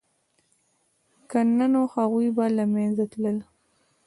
که نه نو هغوی به له منځه تلل